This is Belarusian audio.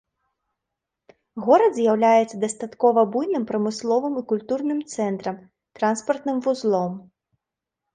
Горад з'яўляецца дастаткова буйным прамысловым і культурным цэнтрам, транспартным вузлом.